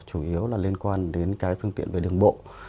chủ yếu là liên quan đến cái phương tiện về đường bộ